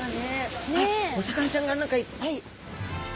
あっお魚ちゃんが何かいっぱい。